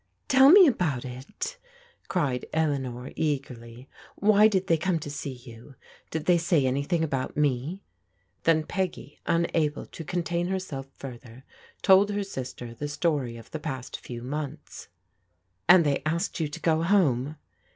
"Tell me about it!" cried Eleanor eagerly. "Why did they come to see you ? Did they say anything about me?" Then Peggy, unable to contain herself further, told sister the story oi the pa^sx. i«w tooojOcl^* ELEANOR VISITS PEGGY 307 And they asked you to go home?